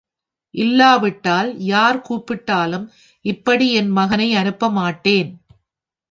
இல்லாவிட்டால் யார் கூப்பிட்டாலும் இப்படி என் மகனை அனுப்ப மாட்டேன்.